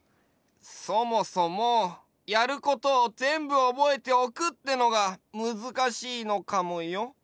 そもそもやることをぜんぶおぼえておくってのがむずかしいのかもよ。